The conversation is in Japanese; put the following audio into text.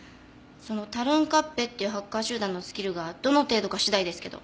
そのタルンカッペっていうハッカー集団のスキルがどの程度か次第ですけど。